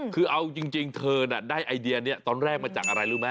คือเอาจริงเธอน่ะได้ไอเดียนี้ตอนแรกมาจากอะไรรู้ไหม